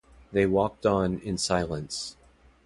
They walked on in silence.